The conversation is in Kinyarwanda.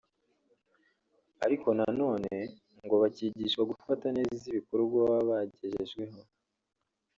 ariko na none ngo bakigishwa gufata neza ibikorwa baba bagejejweho